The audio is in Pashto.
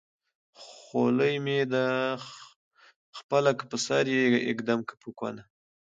خولۍ مې ده خپله که په سر يې ايږدم که په کونه